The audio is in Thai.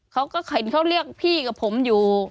เขาก็เห็นเขาเรียกพี่กับผมอยู่